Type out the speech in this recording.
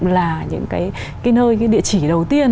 là cái nơi cái địa chỉ đầu tiên